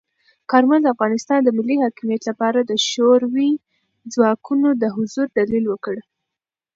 کارمل د افغانستان د ملی حاکمیت لپاره د شوروي ځواکونو د حضور دلیل ورکړ.